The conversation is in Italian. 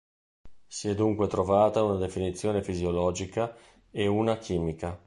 Si è dunque trovata una definizione fisiologica e una chimica.